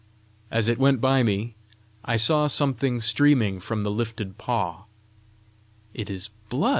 As it went by me, I saw something streaming from the lifted paw. "It is blood!"